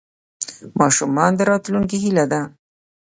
ماشومان د راتلونکي هیله ده.